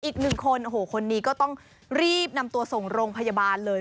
อีกหนึ่งคนโอ้โหคนนี้ก็ต้องรีบนำตัวส่งโรงพยาบาลเลย